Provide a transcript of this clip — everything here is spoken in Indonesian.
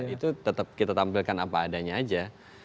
itu tetap kita tampilkan apa adanya aja